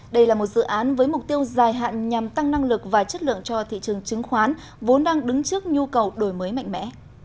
đây là một dự án với mục tiêu dài hạn nhằm tăng năng lực và chất lượng cho thị trường chứng khoán vốn đang đứng trước nhu cầu đổi mới mạnh mẽ